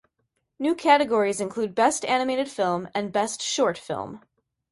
New Categories include Best animated film and Best Short film.